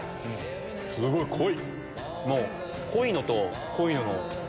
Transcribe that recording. すごい濃い！